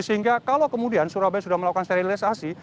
sehingga kalau kemudian surabaya sudah melakukan sterilisasi